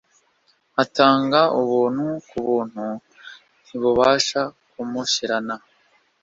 Atanga ubuntu ku buntu. Ntibubasha kumushirana